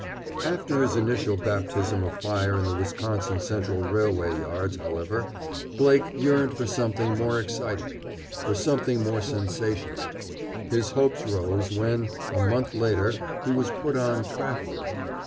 After his initial baptism of fire in the Wisconsin Central railway yards, however, Blake yearned for something more exciting, for something more sensational. His hopes rose, when, a month later, he was put on "track" work.